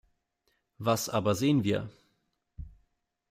Was aber sehen wir?